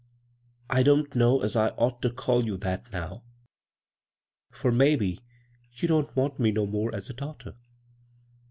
"' I don't know as I ought to call you that now, for maybe you don't want me no more as a daughter.